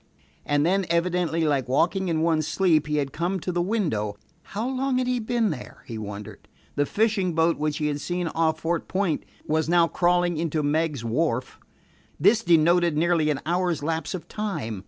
And then, evidently like walking in one's sleep, he had come to the window. How long had he been there? he wondered. The fishing boat which he had seen off Fort Point was now crawling into Meiggs's Wharf. This denoted nearly an hour's lapse of time.